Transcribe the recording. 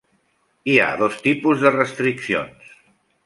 Hi ha dos tipus de restriccions: